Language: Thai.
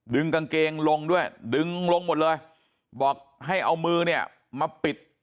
ดึงกางเกงลงด้วยดึงลงหมดเลยบอกให้เอามือเนี่ยมาปิด